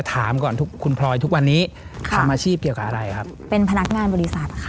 ถามก่อนคุณพลอยทุกวันนี้ค่ะทำอาชีพเกี่ยวกับอะไรครับเป็นพนักงานบริษัทค่ะ